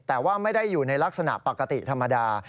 แต่ว่าไม่ได้อยู่ในลักษณะปกติธรรมดา